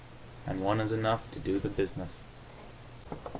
And one is enough to do the business.